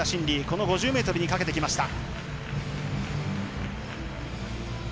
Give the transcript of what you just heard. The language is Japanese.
この５０ｍにかけてきました。